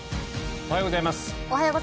おはようございます。